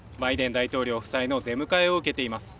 大統領夫妻の出迎えを受けています。